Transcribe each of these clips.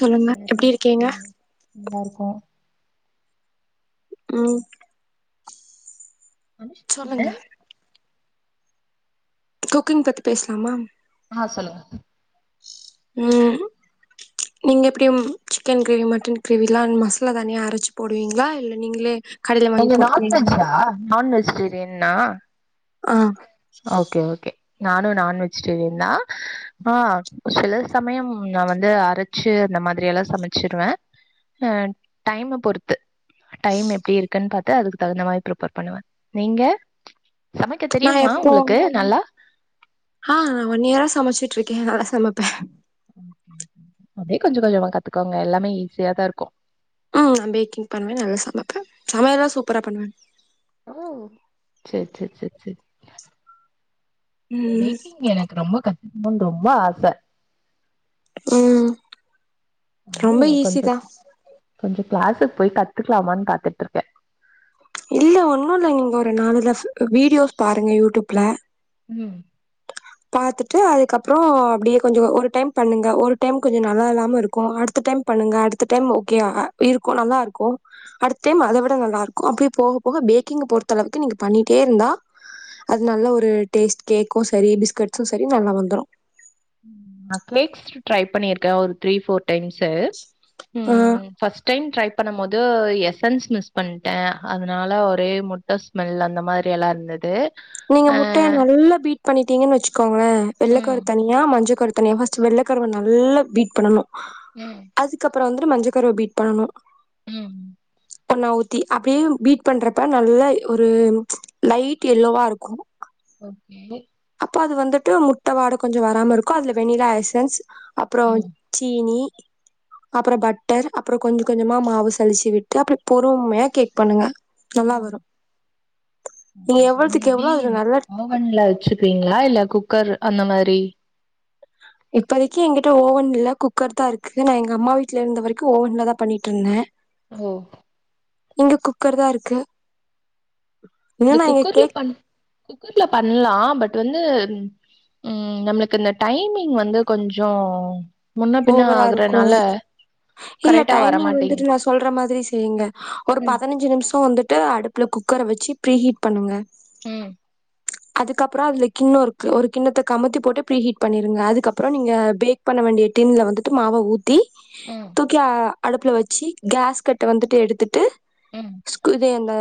சொல்லுங்க எப்டி இருக்கீங்க நல்லாருக்கோ ம் ஆ சொல்லுங்க குக்கிங் பத்தி பேச்லாமா ஆ சொல்லுங்க ம் நீங்க எப்டி சிக்கன் கிரேவி மட்டன் கிரேவிலா மசாலா தனியா அரச்சு போடுவீங்ளா இல்ல நீங்களே கடைல வாங்கி நீங்க போட்டுக்குவீங்களா நான்வெஜ்ஜா நான் வெஜ்டேரின்னா ஆ ஓகே ஓகே நானு நான் வெஜ்டேரியன் தா ஆ சில சமயம் நா வந்து அரச்சு அந்த மாரில்லா சமச்சிருவே அ டைமா பொறுத்து டைம் எப்டி இருக்குன்னு பாத்து அதுக்கு தகுந்த மாரி பிரிப்பேர் பண்ணுவே நீங்க சமைக்க நா தெரியுமா எப்போ உங்களுக்கு நல்லா ஆ நா ஒன் இய்ரா சமச்சுட்டு இர்க்கே நல்லா சமப்பே அப்டியே கொஞ்ச கொஞ்சமா கத்துக்கோங்க எல்லாமே ஈஸியா தா இருக்கு ம் நா பேக்கிங் பண்ணுவே நல்லா சமப்ப சமயல்லா சூப்பரா பண்ணுவே ஓ செர் செர் செர் ம் பேக்கிங் எனக்கு ரொம்ப கத்துக்னுன்னு ரொம்ப ஆச ம் ரொம்ப இன்னும் ஈஸி கொஞ்ச தா கொஞ்சம் கிளாசுக்கு போய் கத்துக்கலாமான்னு பாத்துட்டு இருக்கேன் இல்ல ஒன்னும் இல்ல நீங்க ஒரு நாளு ரஷ் வீடியோஸ் பாருங்க யூடியூப்ல ம் பாத்துட்டு அதுக்கப்றோ அப்டியே கொஞ்சம் ஒரு டைம் பண்ணுங்க ஒரு டைம் கொஞ்ச நல்லா இல்லாம இருக்கும் அடுத்த டைம் பண்ணுங்க அடுத்த டைம் ஓகோயா இருக்கும் நல்லா இருக்கு அடுத்த டைம் அத விட நல்லா இருக்கும் அப்டியே போக போக பேக்கிங் பொறுத்தளவுக்கு‌ நீங்க பண்ணிட்டே இருந்தா அது நல்ல ஒரு டேஸ்ட் கேக்கும் சேரி பிஸ்கட்ஸ்சும் சேரி நல்லா வந்துரு நான் கேல்க்ஸ் ட்ரை பண்ணிருக்கேன் ஒரு த்ரீ ஃபோர் டைம்ஸ்ஸு ஆ ம் ஃபஸ்ட் டைம் ட்ரை பண்ணும்போது எசன்ஸ் மிஸ் பண்டே அதனால் ஒரே முட்ட ஸ்மெல் அந்த மாரி எல்லா இருந்தது நீங்க அ முட்டையை நல்லா பீட் பண்ணிட்டீங்கன்னு வெச்சுக்கோங்களேன் ஆ. வெள்ளக்கரு ம், தனியா மஞ்ச கரு ஃபஸ்ட் வெள்ள கருவ நல்லா பீட் பண்ணனு ம் அதுக் அப்பறம் வந்து மஞ்ச கருவ பீட் பண்ணனு ம் பண்ணா ஊத்தி அப்டியே பீட் பண்றப்ப நல்லா ஒரு லைட் எல்லோவா இருக் கு ஓகே இப்ப அது வந்துட்டு முட்ட வாட கொஞ்ச வராம இருக்கும் அதுல வெண்ணிலா எசன்ஸ் அப்றோ ம். சீனி அப்புறோ பட்டர் அப்புறோ கொஞ்ச கொஞ்சமா மாவு சலிச்சி விட்டு அப்டி பொறுமையா கேக் பண்ணுங்க. நல்லா ம். வரும் நீ நீங்க எவ்வளத்துக்கு எப்டி எவ்ளோ அதுல நல்லா ஓவன்ல வெச்சிருப்பீங்ளா இல்ல குக்கர் அந்த மாரி இப்போதைக்குக்கு எங்கிட்ட ஓவன் இல்ல குக்கர் தா இருக்கு நா எங்க அம்மா வீட்ல இருந்த வரைக்கு ஓவன்ல தா பண்ணிட்டு இருந்த ஓ இங்க குக்கர் தா இருக்கு இன்னு இது நா எங்க குக்கர்ல கேக் பண் குக்கர்ல பண்ணலா பட் வந்து ம் நம்மளுக்கு இந்த டைமிங் வந்து கொஞ்சம் முன்ன பின்ன ஓவரா இருக்கு ஆகுறனால இல்ல கரெக்ட்டா டைமிங் வந்துட்டு வரமாட்டேங்குது. நா சொல்ற மாரி செய்யிங்க ஒரு பதினஞ்சி நிமிஷோ வந்துட்டு அடுப் ப்புல குக்கர வெச்சி ஃப்ரீ ஹீட் பண்ணுங்க ம் அதுக்கப்புறோ அதுல கிண்ண இருக்கு ஒரு கிண்ணத்த கமுத்தி போட்டு ஃப்ரீ ஹீட் பண்ணிருங்க அதுக்கப்புறோ நீங்க பேக் பண்ண வேண்டிய டின்ல வந்துட்டு மாவ ஊத்தி ம், குக்கியா அடுப்பில் வெச்சி கேஸ் கட்ட வந்துட்டு எடுத்துட்டு ம் அப்டியே அந்த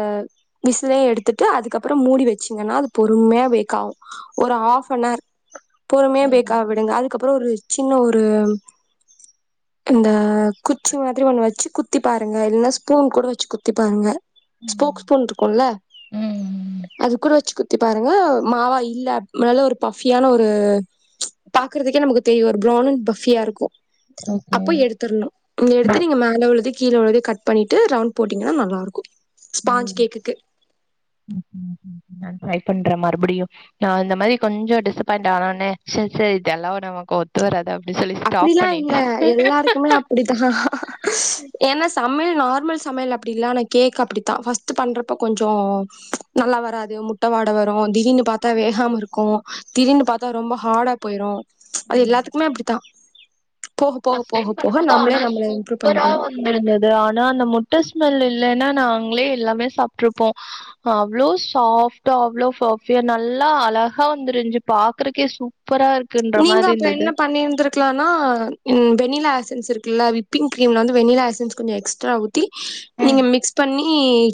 விசுலையு எடுத்துட்டு அதுக்கப்புறோ மூடி வெச்சிங்கன்னா அது பொறுமையா பேக் ஆகு ஒரு ஆஃப் ஆன் அவர் பொறுமையா பேக் ஆக ம்ஹ்ம். விடுங்க அதுக்கப்றோ ஒரு சின்ன ஒரு இந்த குச்சி ஸ்டிக்கு. மாதிரி ஒன்னு வெச்சி குத்தி பாருங்க இல்லன்னா ஸ்பூன் கூட வெச்சி குத்தி பாருங்க ம். ஸ்போக் ஸ்புன் இருக்கும்ல ம் அது கூட வெச்சி குத் குத்தி பாருங்க மாவா இல்ல ஒரு பஃபியான ஒரு பாக்குறதுக்கே நமக்கு தெரியு ஒரு பிரவுன் அன் பஃபியா இருக்கு அப்போ எடுத்துறனு எடுத்து நீங்க மேல உள்ளத கீழ உள்ளதயு கட் பண்ணிட்டு ரவுண்ட் போட்டீங்கன்னா நல்லா இருக்கு ஓ ம் ம் ம் ம் நா ட்ரை பண்ற மறுபடியு நா இந்த மாரி கொஞ்சோ டிசப்பாயிண்ட் ஆன ஒட்னே சேரி சேரி இதல்லா நமக்கு ஒரு ஒத்துவராது அப்டி சொல்லி ஸ்டாப் பண்ணிட்டு எப்பயுமே அப்புடித்தா ஏன்னா சமையல் நார்மல் சமையல் அப்டி இல்லா கேக் அப்புடித்தா ஃபர்ஸ்ட் பண்றப்ப கொஞ்சோ நல்லா வராது முட்ட வாட வரு திடீனு பாத்தா வேகாம இருக்கு திடீர்னு பாத்தா ரொம்ப ஹாடா போயிரு அது எல்லாத்துக்குமே அப்டித்தா ஃபர்ஸ்ட் டைம் பண்ணும் போது நம்மளே ஆனா நம்மள இம்ப்ரூவ் சூப்பரா பண்ணிக்கணு வந் து இருந்தது ஆனா அந்த முட்ட ஸ்மெல் இல்லன்னா நாங்களே எல்லாமே சாப்டிருப்போ அவ்ளோ சாஃப்டா அவ்ளோ பஃபியா நல்லா அழகா வந்திருஞ்சி பாக்குறதுக்கே சூப்பரா சூப்பரா இருக்குன்ற மாரி இருந்தது இருக்லனா வெண்ணிலா எசன்ஸ் இருக்குல்ல விப்பி்ங் கிரீம்ல வந்து வெண்ணிலா எசன்ஸ் கொஞ்சோ எக்ஸ்ட்ரா ஊத் தி நீங்க மிக்ஸ் பண்ணி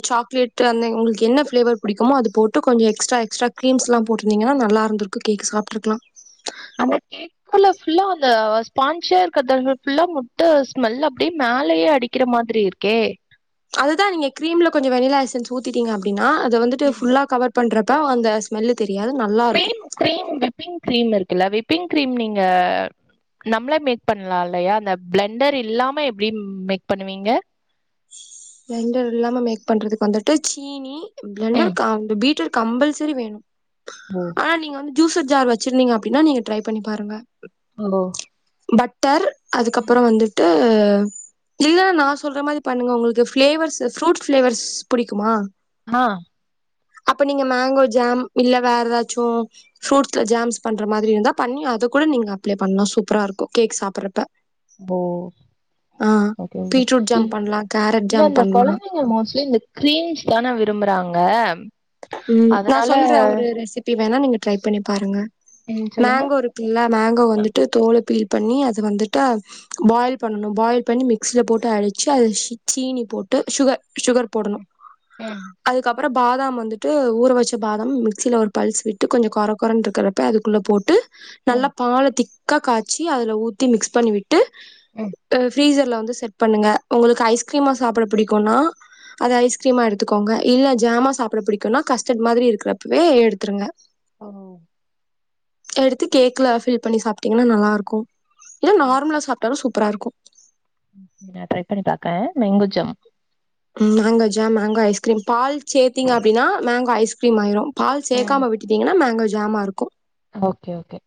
சாக்லேட் அந்த உங்களுக்கு என்ன ஃப்ளேவர் புடிக்குமோ அது போட்டு கொஞ்சோ எக்ஸ்ட்ரா எக்ஸ்ட்ரா க்ரீம்ஸ்லா போட்டிருந்தீங்கன்னா நல்லா இருத்திருக்கு கேக் சாப்டிருக்கலா ஆனா கேக் குக்கர்ல ஃபுல்லா அந்த ஸ்பான்சியா இருக்கர்தானே ஃபுல்லா முட்ட ஸ்மெல் அப்டியே மேலையே அடிக் வெக்கிற மாதிரி இருக்கே அதுதா நீங்க கிரீம்ல கொஞ்சோ வெண்ணிலா எசன்ஸ் ஊத்திட்டீங்க அப்டின்னா அத வந்துட்டு ம் ஃபுல்லா கவர் பண்றப்ப அந்த ஸ்மெல்லு தெரியாது நல்லாருக்கு கிரீம் கிரீம் விப்பிங் கிரீம் இருக்குல்ல விப்பிங் கிரீம் நீங்க நம்மளே மேக் பண்ணலா இல்லையா அந்த பிளண்டர் இல்லாம எப்படி மேக் பண்ணுவீங்க பிளண்டர் இல்லாம மேக் பண்றதுக்கு வந்துட்டு சீனி பிளண்டர் ம் காம் பீட்டர் கம்பல்சரி வேணூ ஓ அ நீங்க வந்து ஜூசர் ஜார் வச்சிருந்தீங்க அப்படின்னா நீங்க ட்ரை பண்ணி பாருங்க ஓ பட்டர் அதுக்கப்புறோ வந்துட்டு ஹே இல்ல நா சொல்ற மாறி பண்ணுங்க உங்களுக்கு ஃப்ளேவர்ஸ்ஸு ஃப்ரூட் ஃப்ளேவர்ஸ் பிடிக்குமா மா அப்ப நீங்க மேங்கோ ஜாம் இல்ல வேற ஏதாச்சூ ஃப்ரூட்ஸ்ல ஜாம்ஸ் பண்ற மாரி இருந்தா பண்ணி அத கூட நீங்க அப்ளை பண்ணலாம் சூப்பரா இருக்கூ கேக் சாப்பட்றப்ப போ அது வந்து பீட்ரூட் ஜாம் பண்லா கேரட் ‌இல்ல ஜாம் ‌அந்த பண்லா குழந்தைங்க மோஸ்ட்லி இந்த கிரீம்ஸ் தானே விரும்புறாங்க ம் நா அதனால சொல்ற ஒரு ரெசிபி வேணா நீங்க ட்ரை பண்ணிப் பாருங்க ம் சொல்லுங்க இல்ல மேங்கோ அ, வந்துட்டு தோல பீல் பண்ணி அது வந்துட்டு பாயில் பண்றோ பாயில் பண்ணி மிக்சியில போட்டு அடிச்சு அதுல சீனி போட்டு சுகர் சுகர் போடணூ ம் அதுக்கப்புறோ பாதாம் வந் வந்துட்டு ஊற வச்ச பாதாம் மிக்சியில ஒரு பல்ஸ் விட்டு கொஞ்சொ குற குறன்ன இருக்கிறப்ப அதுக்குள்ள போட்டு நல்லா ம் பால்ல திக்கா காய்ச்சி அதுல ஊத்தி மிக்ஸ் பண்ணி விட் டு ம் ஆ பிரிசர்ல வந்து செட் பண்ணுங்க உங்களுக்கு ஐஸ்கிரீமா சாப்பிட பிடிக்கோம்னா அத ஐஸ்கிரீமா எடுத்துக்கோங்க இல்ல ஜாமா சாப்பிட பிடிக் கும்னா கஸ்டட் மாரி இருக்கிறப்பவே எடுத்துருங்க ஓ எடுத்து கேக்ல ஃபில் பண்ணி சாப்பிட்டீங்ன்னா நல்லா இருக்கோ இல்ல நார்மலா சாப்பிட்டாலூ சூப்பரா இருக்கோ நா ட்ரை பண்ணி பாக்குறே மேங்கோ ஜாம் ம் மேங்கோ ஜாம் மேங்கோ ஐஸ்கிரீம் பால் சேத்தீங்க அப்படின்னா மேங்கோ ஐஸ்கிரீம் ஆயிரும் பால் ம் சேக்காம விட்டுட்டிங்ன்னா மேங்கே ஜாம்மா இருக்கோ ஓகே ஓகே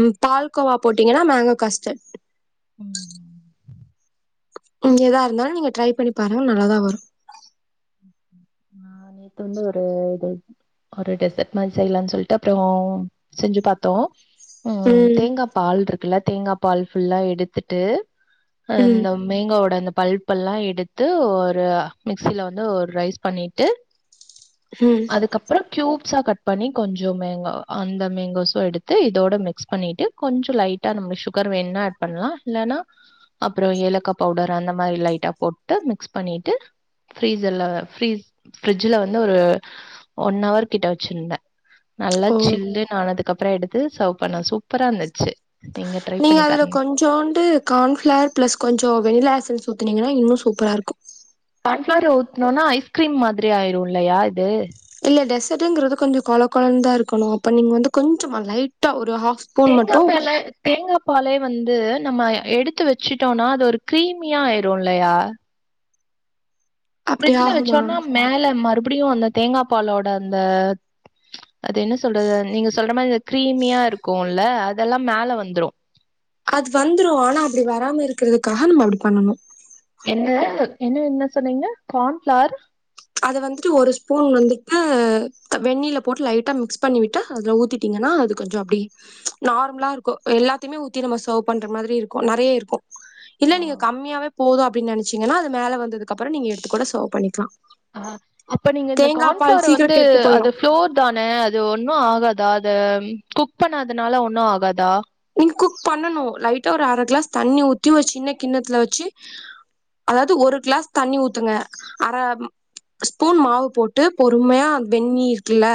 ம் பால்கோவா போட்டீங்கன்னா மேங்கோ கஸ்டர்ட் ம் நீங்க எதா இருந்தாலூ நீங்க ட்ரை பண்ணி பாருங்க நல்லாதா வரூ ஆ நேத்து வந்து ஒரு இது ஒரு டெசர்ட் மாதிரி செய்யலாம்னு சொல்லிட்டு அப்புறோ செஞ்சு பார்த்தோ ம் தேங்காய் பால் இருக்குல்ல தேங்காய் பால் ஃபுல்லா எடுத்துட்டு அ ம் இந்த மேங்காவோட அந்த பல்ப் எல்லா எடுத்து ஒரு மிக்சியில ல ஒரு ரைஸ் பண்ணிட்டு ம் அதுக்கப்புறம் கியூப்ஸா கட் பண்ணி கொஞ்சொ மேங்க அந்த மேங்கோஸும் எடுத்து இதோடு மிக்ஸ் பண்ணிட்டு கொஞ்சொ லைட்டா நம்ம சுகர் வேணும்னா ஆட் பண்ணலாம் இல்லன்னா அப்புறோ ஏலக்கா பவுடர் அந்த மாதிரி லைட்டா போட்டு மிக்ஸ் பண்ணிட்டு ஃப்ரீசரர்ல்ல வர ஃபீரீஸ் ஃப்ரிட்ஜல வந்து ஒரு ஒன் ஹவர் கிட்ட வச்சிருந்தே நல்லா ஓ ஜில்லுனு ஆனதுக்கு அப்புறோ எடுத்து சர்வ் பண்ணோ சூப்பரா இருந்துச்சு ட்ரை நீங்க பண்ணி அதுல பாருங்க கொஞ்சோண்டு கார்ன்ஃப்ளவர் பிளஸ் கொஞ்சொ வெணிலா எசன்ஸ் ஊத்தினீங்கன்னா இன்னூ சூப்பரா இருக்கூ சன்ஃப்ளவர் ஊத்துனோன்னா ஐஸ்கிரீம் மாதிரி ஆயிரும் இல்லையா இது இல்ல டெசர்ட்டுங்கிறது கொஞ்சோ கொல கொலன்னு தா இருக்கணும் அப்ப நீங்க வந்து கொஞ்ச லைட்டா ஒரு ஹா தேங்காப்பால தேங்கா பாலே வந்து நம்ம எடுத்து வச்சுட்டோன்னா அது ஒரு கிரீமியா ஆயிடும் இல்லையா அப்டி பிரிட்ஜ்ல ஆகுமா வச்சோன்னா மேல மறுபடியும் அந்த தேங்கா பாலோட அந்த அது என்ன சொல்றது நீங்க சொல்ற மாதி அந்த கிரீமியா இருக்கும்ல அதெல்லா மேல வந்துரும் அது வந்துரும் ஆனா அப்டி வராம இருக்கிறதுக்காக நம்ம அப்டி பண்ணனும் என்ன என்ன என்ன சொன்னீங்க கார்ன்ஃப்ளார் அத வந்துட்டு ஒரு ஸ்பூன் வந்துட்டு வெந்யில போட்டு லைட்டா மிக்ஸ் பண்ணிவிட்டு அதல ஊத்திட்டு ங்கன்னா அது கொஞ்சோ அப்டி நார்மலா இருக்கும் எல்லாத்தையுமே ஊத்தி நம்ம சர்வ் பண்ற மாதிரி இருக்கும் நிறைய இருக்கும் இல்ல நீங்க கம்மியாவே போதும் அப்டின்னு நெனைச்சீங்கன்னா அது மேல வந்ததுக்கப்றோ நீங்க எடுத்து கூட செவ் பண்ணிக்கலா ஆ அப்ப நீங்க இந்த தேங்கா பால் கார்ன்ஃப்ளார சீக்கிரோ வந்து கெட்டு போயிரு அது ளோர் தான அது ஒன்னும் ஆகாதா அத குக் பண்ணதுனால ஒன்னும் ஆகாதா நீங்க குக் பண்ணனும் லைட்டா ஒரு அர கிளாஸ் தண்ணி ஊத்தி ஒரு சின்ன கிண்ணத்துல வச்சு அதாவது ஒரு கிளாஸ் தண்ணி ஊத்துங்க அர ஸ்பூன் மாவு போட்டு பொறுமையா வெந்நி இருக்குல்ல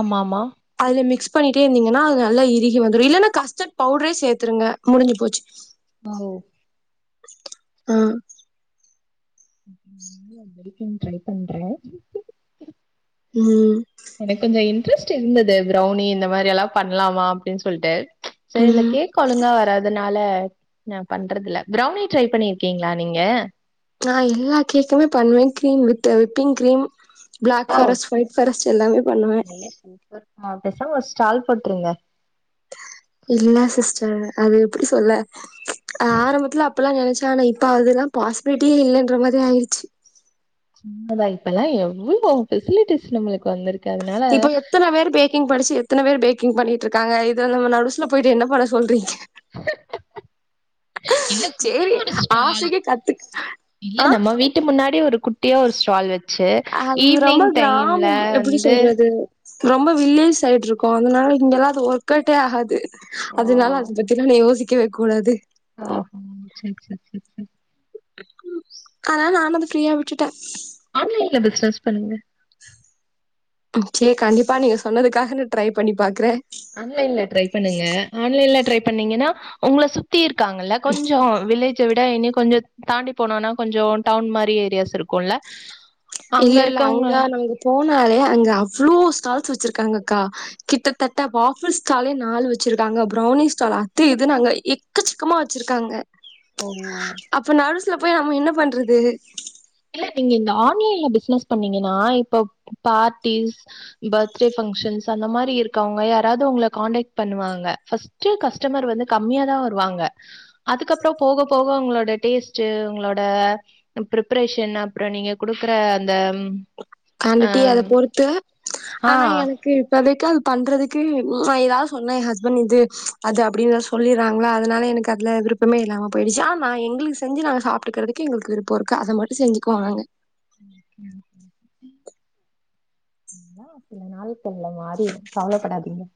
ஆமா ஆமா அதுல மிக்ஸ் பண்ணிட்டே இருந்தீங்கன்னா அது நல்ல இருகி வந்துரும் இல்லன்னா கஸ்ட் பவுடரே சேத்துருங்க முடிஞ்சு போச்சு ஆ ஆ க்க ட்ரை பண்றே ம் எனக்கு கொஞ்சோ இன்ட்ரெஸ்ட் இருந்தது ப்ரௌனி இந்த மாரி எல்லாம் பண்ணலாமா அப்டின்னு சொல்லிட்டு சரி இந்த ம் கேக் ஒழுங்கா வராது னால நா பண்றதுல்ல பிரவுன்னி ட்ரை பண்ணிருக்கீங்களா நீங்க நா எல்லா கேக்குமே பண்ணுவே cream with whipping cream black wow forest white forest எல்லாமே பன்னுவேன் ஒரு பேசாம ஒரு ஸ்டால் போட்டுருங்க இல்ல சிஸ்டர் அது எப்டி சொல்ல ஆரம்பத்துல அப்பல்லா நெனைச்சே ஆனா இப்ப அதுல்லா பாசிபிலிட்டியே இல்லண்ற மாரி ஆயிச்சி அதா இப்பெல்லாம் எவ்வளவு பெசிலிட்டிஸ் நம்மளுக்கு வந்திருக்கு அதனால இப்போ எத்தன பேர் பேக் க்கிங் படிச்ச எத்தன பேர் பேக்கிங் பண்ணிட்டு இருக்காங்க இதுல நம்ம நடுஷ்ல போயிட்டு என்ன பண்ண சொல்றீங்க [inaudible] இல்ல குட்டியா சேரி ஒரு ஸ்டால் ஆசைக்கு கத்து இல்ல ஆ நம்ம வீட்டு முன்னாடி ஒரு குட் ட்டியா ஒரு ஸ்டால் வச்சு அ ஈவினிங் டைம்ல வந்து ந்து ரொம்ப வில்லேஜ் சைடு் இருக்கோ அதனால இங்கெல்லாம் அது ஒர்க்கட்டே ஆகாது ஓ அதனால அத பத்திலா நா யோசிக்கவே கூடாது [inaudible] அதானால நானு வந்து ஃப்ரீயா விட்டுட்டே ஆன்லைன்ல பிசினஸ் பண்ணுங்க ம செரி கண்டிப்பா நீங்க சொன்னதுக்காக நா ட்ரை பண்ணி பாக்குறே ஆன்லைன்ல ட்ரை பண்ணுங்க ஆன்லைன்ல ட்ரை பண்ணீங்கன்னா உங்க சுத் த்தி இருக்காங்கல்ல கொஞ்சோ வில்லேஜ விட் இனி கொஞ்சோ தாண்டி போனோனா கொஞ்சோ டவுன் மாரி ஏரியாஸ் இருக்குல்ல அங்க இல்ல இல்ல இருக்கவங்க அங்க நமக்கு போனாலே அங்க அவ்வளோ ஸ்டால்ஸ் வச்சிருக்காங்க கா கிட்டத்தட்ட வாபர் ஸ்டாலே நாள் வச்சிருக்காங்க பிரௌனி ஸ்டால் அது இது அங்க எக்கசக்கமா வச்சிருக்காங்க [unintelligible] அப்ப நர்ஸ்ல போய் நம்ம என்ன பண்றது இல்ல நீங்க இந்த ஆன்லைன்ல பிசினஸ் பண்ணீங்கன்னா இப்ப பார்ட்டிஸ் பர்த்டே ஃபன்ச்ஷன்ஸ் அந்த மாரி இருக்கவங்க யாராவது உங்கள காண்டக்ட் பண்ணுவாங்க [unintelligible] கஸ்டமர் வந்து கம்மியாதா வருவாங்க அதுக்கப்றோ போக போக அவங்களோட டேஸ்ட்ட் உங்களோட பிரிப் ரேஷன் அப்பற நீங்க குடுக்குற அந்த அ காண்ட்டிடி அத பொறுத்து ஆ ஆனா எனக் கு இப்பதைக்கு அது பண்றதுக்கு ஏதாவது சொன்ன என் ஹஸ்பண்ட் இது அது அப்படின்னுத சொல்லிறாங்களா அதனால எனக்கு அதுல விருப்பமே இல்லாம போயிடுச்சு ஆன எங்களுக்கு செஞ்சு நாங்க சாப்ட்டுக்கறதுக்கு எங்களுக்கு விருப்பம் இருக்கு அத மட்டு செஞ்சுக்குவாங்க அங்க ஓகே [unintelligible] எல்லா சில நாட்கள்ல மாறிடு கவலப்படாதீங்க